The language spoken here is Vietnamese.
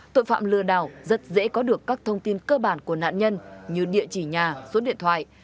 tội phạm lừa đảo rất dễ có được các thông tin cơ bản của nạn nhân như địa chỉ nhà số điện thoại